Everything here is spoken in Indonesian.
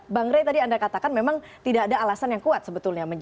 bang ray tadi anda katakan memang tidak ada alasan yang kuat sebetulnya